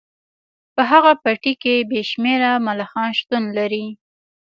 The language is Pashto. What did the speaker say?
په هغه پټي کې بې شمیره ملخان شتون لري